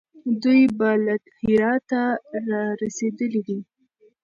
دوی به له هراته را رسېدلي وي.